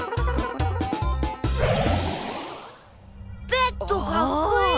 ベッドかっこいい！